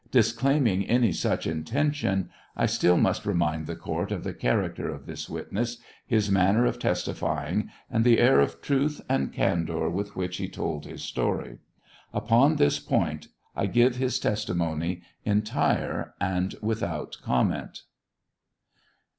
Disclaiming any such intention, I still must remind the court of the character of this witness, his manner of testifying, and the air of truth and candor with which he told his story. Upon this point I give his testimony entire and without comment.